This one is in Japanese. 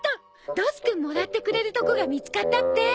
ドスくんもらってくれるとこが見つかったって。